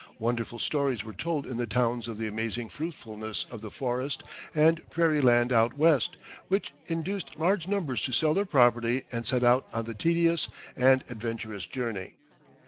Wonderful stories were told in the towns of the amazing fruitfulness of the forest and prairie land out West, which induced large numbers to sell their property and set out on the tedious and adventurous journey.